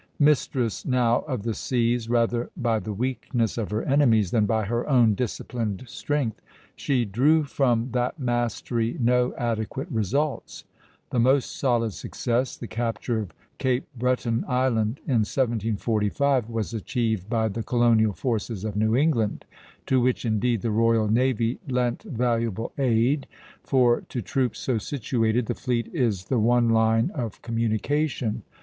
Mistress now of the seas rather by the weakness of her enemies than by her own disciplined strength, she drew from that mastery no adequate results; the most solid success, the capture of Cape Breton Island, in 1745, was achieved by the colonial forces of New England, to which indeed the royal navy lent valuable aid, for to troops so situated the fleet is the one line of communication.